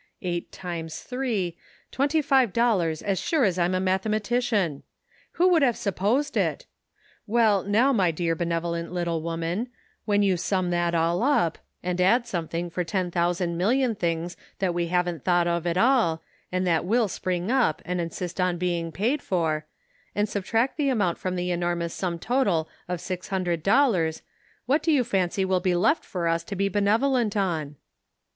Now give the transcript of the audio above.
Eight times three — twenty five dollars as sure as I'm a mathematician ! Who would have supposed it? Well, now, my dear benevolent little wo man, when you sum that all up, and add some thing for ten thousand million things that we haven't thought of at all, and that will spring up and insist on being paid for, and substract the amount from the enormous sum total of six hundred dollars, what do you fancy will be left for us to be benevolent on